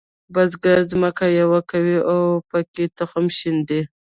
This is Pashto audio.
بزګر ځمکه یوي کوي او پکې تخم شیندي.